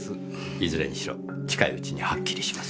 いずれにしろ近いうちにはっきりします。